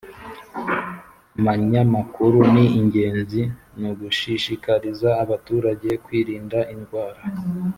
Amanyamakuru ni ingenzi mugushishikariza abaturage kwirinda indwara